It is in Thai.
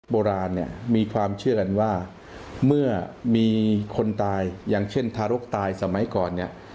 โบราณเนี่ยมีความเชื่อกันว่าเมื่อมีคนตายอย่างเช่นทารกตายสมัยก่อนเนี่ย